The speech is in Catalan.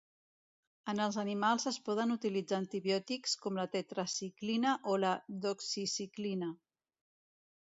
En els animals es poden utilitzar antibiòtics com la tetraciclina o la doxiciclina.